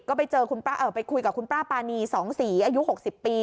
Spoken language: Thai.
ก็ไปเจอคุณป้าเอ่อไปคุยกับคุณป้าปานีสองสี่อายุหกสิบปี